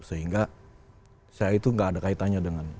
sehingga saya itu nggak ada kaitannya dengan